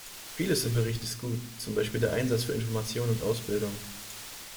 Vieles im Bericht ist gut, zum Beispiel der Einsatz für Information und Ausbildung.